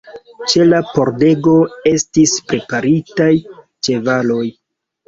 Ĉe la pordego estis preparitaj ĉevaloj.